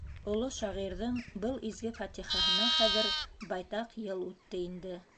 Оло шағирҙың был изге фатихаһына хәҙер байтаҡ йыл үтте инде.